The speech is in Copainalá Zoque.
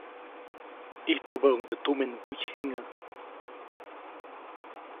Ijtubäʼuŋnde tuminŋguy jiŋäʼ.